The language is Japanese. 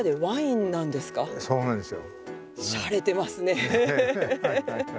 そうなんですよ。